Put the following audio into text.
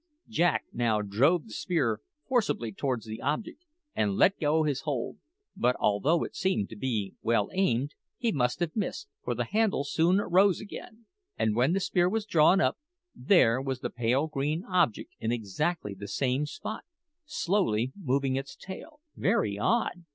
Jack now drove the spear forcibly towards the object, and let go his hold. But although it seemed to be well aimed, he must have missed, for the handle soon rose again; and when the spear was drawn up, there was the pale green object in exactly the same spot, slowly moving its tail. "Very odd!"